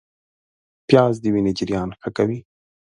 پیاز د وینې جریان ښه کوي